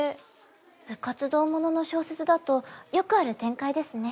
部活動ものの小説だとよくある展開ですね。